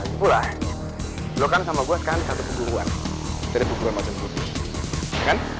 itu lah lo kan sama gue sekarang satu kejuruan jadi kejuruan masih butuh ya kan